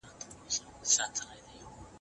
ورزش کول بدن قوي کوي.